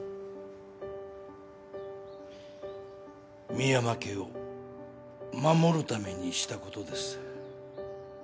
深山家を守るためにしたことです。